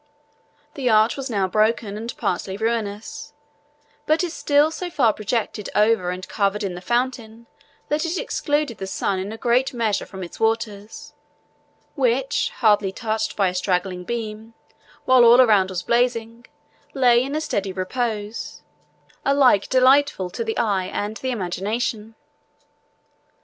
The arch was now broken, and partly ruinous; but it still so far projected over and covered in the fountain that it excluded the sun in a great measure from its waters, which, hardly touched by a straggling beam, while all around was blazing, lay in a steady repose, alike delightful to the eye and the imagination.